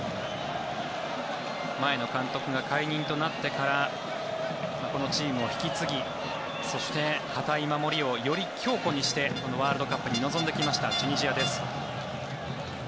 前の監督が解任となってからこのチームを引き継ぎそして、堅い守りをより強固にしてこのワールドカップに臨んできたチュニジアです。